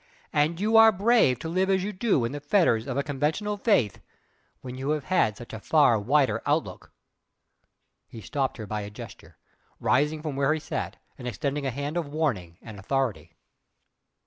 and you are brave to live as you do in the fetters of a conventional faith when you have such a far wider outlook " He stopped her by a gesture, rising from where he sat and extending a hand of warning and authority.